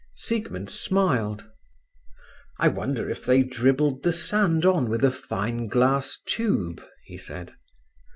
Siegmund smiled. "I wonder if they dribbled the sand on with a fine glass tube," he said.